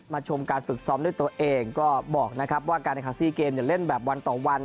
มาชมการฝึกซ้อมด้วยตัวเองก็บอกนะครับว่าการในเล่นแบบวันต่อวัน